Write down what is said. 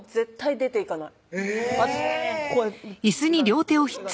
「出ていかない」